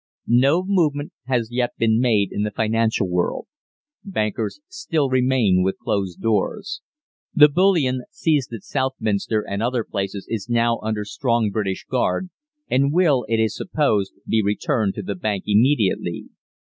"No movement has yet been made in the financial world. Bankers still remain with closed doors. The bullion seized at Southminster and other places is now under strong British guard, and will, it is supposed, be returned to the Bank immediately.